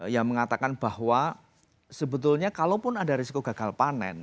yang mengatakan bahwa sebetulnya kalaupun ada risiko gagal panen